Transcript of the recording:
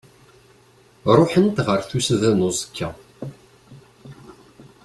Ruḥen-t ɣer tusda uẓekka.